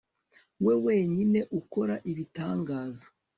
we wenyine ukora ibitangaza